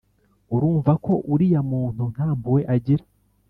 urumva ko uriya muntu nta mpuhwe agira